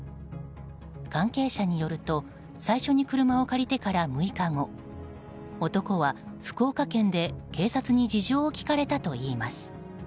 関係者によると最初に車を借りてから６日後男は福岡県で警察に事情を聴かれたといいます。